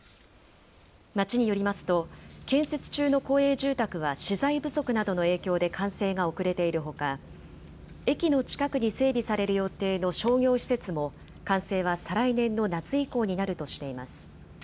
町によりますと、建設中の公営住宅は資材不足などの影響で完成が遅れているほか、駅の近くに整備される予定の商業施設も、完成は再来年の夏以降になるとしています。